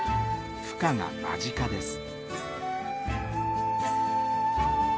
ふ化が間近です。